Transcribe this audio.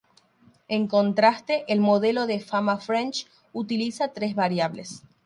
En contraste, el modelo de Fama-French utiliza tres variables.